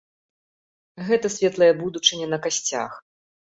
Гэта светлая будучыня на касцях.